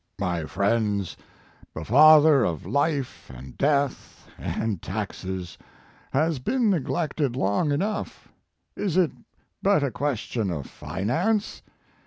My friends, the father of life and death and taxes has been neglected long enough. Is it but a question of finance?